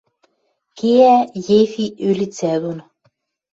Кеӓ Ефи ӧлицӓ дон